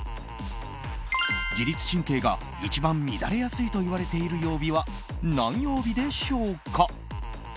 自律神経が一番、乱れやすいといわれている曜日は何曜日でしょうか。